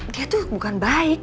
dia tuh bukan baik